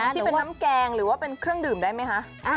ที่เป็นน้ำแกงหรือว่าเป็นเครื่องดื่มได้ไหมคะ